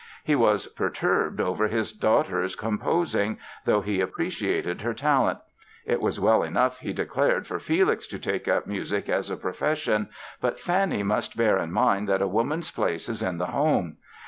He was perturbed over his daughter's composing, though he appreciated her talent. It was well enough, he declared, for Felix to take up music as a profession but Fanny must bear in mind that a woman's place is in the home.